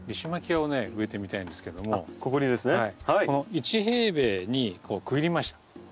１平米に区切りました。